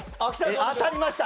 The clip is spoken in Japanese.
当たりました。